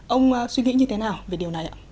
ông suy nghĩ như thế nào về điều này ạ